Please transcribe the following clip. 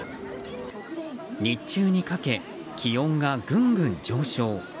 日中にかけ気温がぐんぐん上昇。